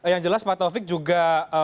yang jelas pak taufik juga